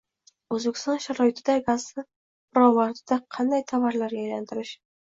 O‘zbekiston sharoitida gazni pirovardida qanday tovarlarga «aylantirish»